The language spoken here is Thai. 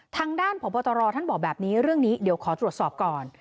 ทางด้านพบตรท่านบอกแบบนี้เรื่องนี้เดี๋ยวขอตรวจสอบก่อน